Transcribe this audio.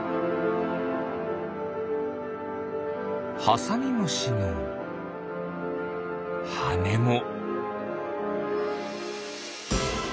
ハサミムシのはねも。